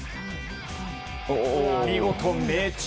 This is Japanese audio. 見事命中。